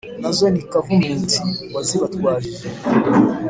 Nazo ni Kavumenti wazibatwajije